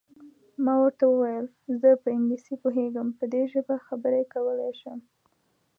ما ورته وویل: زه په انګلیسي پوهېږم، په دې ژبه خبرې کولای شم.